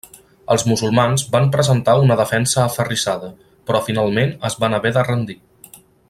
Els musulmans van presentar una defensa aferrissada, però finalment es van haver de rendir.